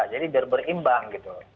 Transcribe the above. jadi biar berimbang